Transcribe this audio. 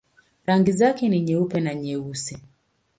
Rangi zake ni nyeupe na nyeusi.